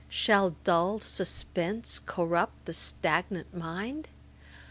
Shall dull suspense corrupt the stagnant mind?